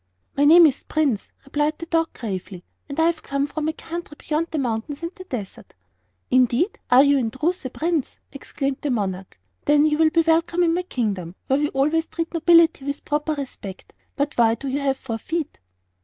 "My name is Prince," replied the gravely; "and I have come from a country beyond the mountains and the desert." "Indeed! are you in truth a prince?" exclaimed the monarch; "then you will be welcome in my kingdom, where we always treat nobility with proper respect. But why do you have four feet?"